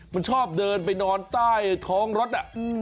มันชอบเดินไปนอนใต้ท้องรถอ่ะ